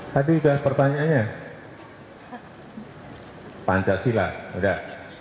tadi sudah pertanyaannya pancasila udah